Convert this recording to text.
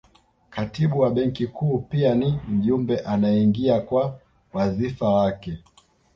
Katibu wa Benki Kuu pia ni mjumbe anayeingia kwa wadhifa wake